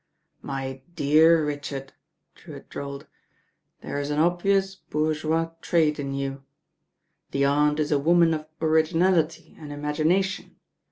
"My dear Richard," Drewitt drawled, "there is an obvious bourgeois trait in you. The Aunt is a woman of originality and imagination.